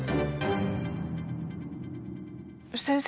先生